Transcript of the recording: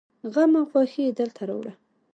غم او خوښي يې دلته راوړله.